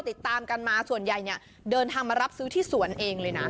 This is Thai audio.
ติดตามกันมาส่วนใหญ่เนี่ยเดินทางมารับซื้อที่สวนเองเลยนะ